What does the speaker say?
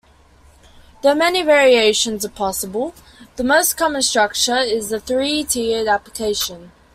Though many variations are possible, the most common structure is the three-tiered application.